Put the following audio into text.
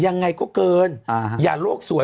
ยังไงก็เกินอ่าฮะอย่ารวกสวย